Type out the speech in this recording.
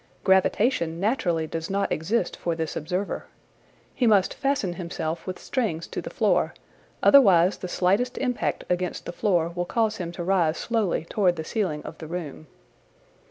Gravitation naturally does not exist for this observer. He must fasten himself with strings to the floor, otherwise the slightest impact against the floor will cause him to rise slowly towards the ceiling of the room.